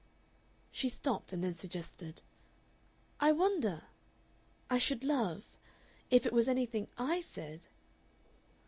She stopped, and then suggested: "I wonder I should love if it was anything I said."